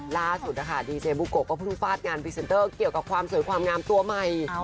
ล่าสุดนะคะดีเจบุโกะก็เพิ่งฟาดงานพรีเซนเตอร์เกี่ยวกับความสวยความงามตัวใหม่